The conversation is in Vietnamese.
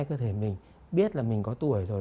cơ thể mình biết là mình có tuổi rồi